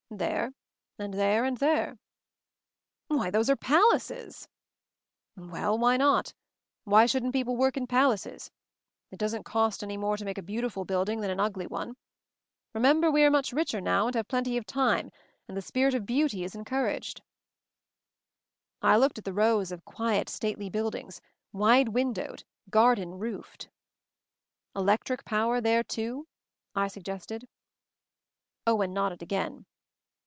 "There — and there — and there." "Why, those are palaces l" "Well? Why not? Why shouldn't peo ple work in palaces? It doesn't cost any I more to make a beautiful building than an \ugly one. Remember, we are much richer, now ^ and have plenty of time, and the spirit of beauty is encouraged." I looked at the rows of quiet, stately buildings; wide windowed; garden roofed. "Electric power there too?" I suggested. Owen nodded again.